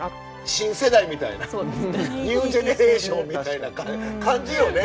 新世代みたいなニュージェネレーションみたいな感じよね。